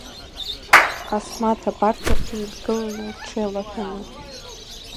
Асмаҭ абарҵаҟны дгылан лҽеилаҳәаны.